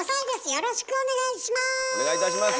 よろしくお願いします！